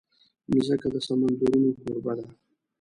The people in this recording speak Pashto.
مځکه د سمندرونو کوربه ده.